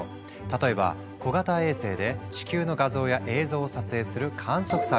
例えば小型衛星で地球の画像や映像を撮影する観測サービス。